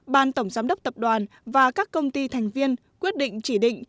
ban tổng giám đốc tập đoàn và các công ty thành viên quyết định chỉ định